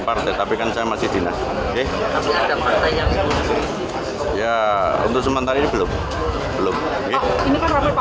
partai tapi kan saya masih dinas ya untuk sementara ini belum belum gitu ini